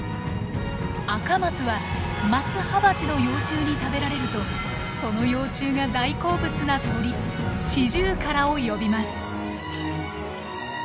アカマツはマツハバチの幼虫に食べられるとその幼虫が大好物な鳥シジュウカラを呼びます。